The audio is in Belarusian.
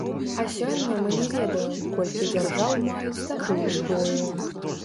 А сёння мы не ведаем, колькі дзяржаў маюць такую зброю.